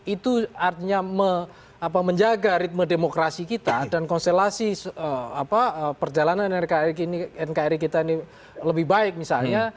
itu artinya menjaga ritme demokrasi kita dan konstelasi perjalanan nkri kita ini lebih baik misalnya